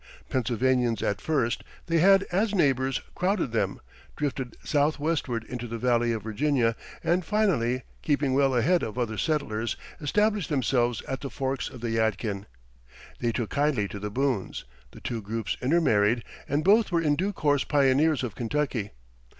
Pennsylvanians at first, they had, as neighbors crowded them, drifted southwestward into the Valley of Virginia; and finally, keeping well ahead of other settlers, established themselves at the forks of the Yadkin. They took kindly to the Boones, the two groups intermarried, and both were in due course pioneers of Kentucky.